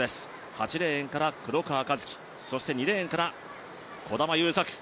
８レーンから黒川和樹そして２レーンから児玉悠作。